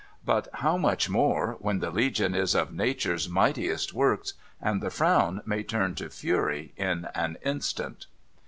But how much more, when the legion is of Nature's mightiest works, and the frown may turn to fury in an instant